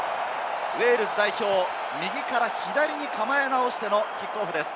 ウェールズ代表、右から左に構え直してのキックオフです。